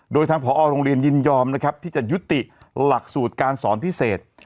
โดยทางผอโรงเรียนยินยอมนะครับที่จะยุติหลักสูตรการสอนพิเศษ